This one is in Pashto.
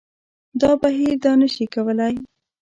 دا بهیر دا کار نه شي کولای